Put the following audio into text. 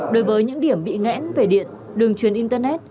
đối với những điểm bị ngẽn về điện đường truyền internet